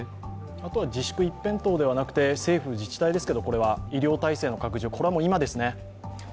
あとは自粛一辺倒ではなくて政府・自治体ですけど医療体制の拡充、これは今ですね。